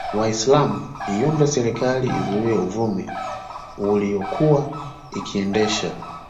Waislamu iiombe serikali izuie uvumi uliyokuwa ikiendeshwa